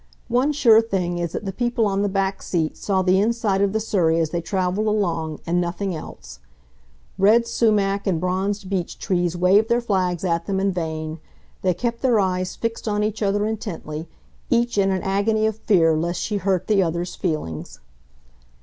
One sure thing is that the people on the back seat saw the inside of the surrey as they traveled along, and nothing else. Red sumac and bronzed beech trees waved their flags at them in vain. They kept their eyes fixed on each other intently, each in an agony of fear lest she hurt the other's feelings.